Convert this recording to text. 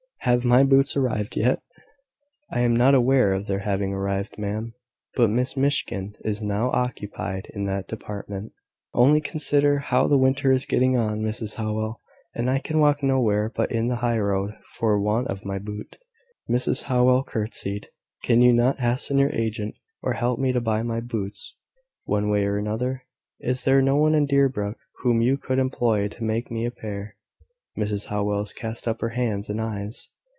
Have my boots arrived yet?" "I am not aware of their having arrived, ma'am. But Miss Miskin is now occupied in that department." "Only consider how the winter is getting on, Mrs Howell! and I can walk nowhere but in the high road, for want of my boot." Mrs Howell curtsied. "Can you not hasten your agent, or help me to my boots, one way or another? Is there no one in Deerbrook whom you could employ to make me a pair?" Mrs Howell cast up her hands and eyes.